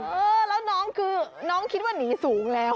เออแล้วน้องคือน้องคิดว่าหนีสูงแล้ว